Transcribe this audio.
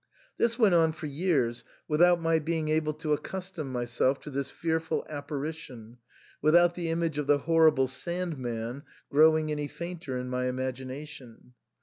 This went on for years, without my being able to accustom myself to this fearful apparition, without the image of the horrible Sand man jgrowing any fainter in my imagination.